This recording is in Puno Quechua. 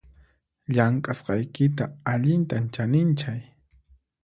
Llamk'asqaykita allintam chaninchay